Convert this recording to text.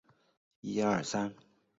日本堤是东京都台东区的町名。